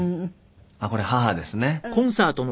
これ母ですね。